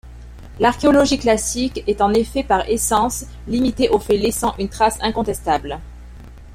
L'archéologie classique est en effet par essence limitée aux faits laissant une trace incontestable.